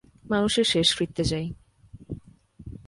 মানুষের শেষকৃত্যে যাই।